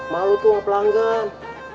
malu tuh sama pelanggan